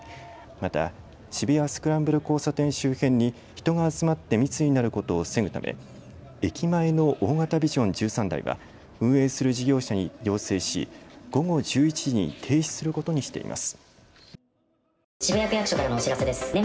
また渋谷スクランブル交差点周辺に人が集まって密になることを防ぐため駅前の大型ビジョン１３台は運営する事業者に要請し午後１１時に停止することにしています。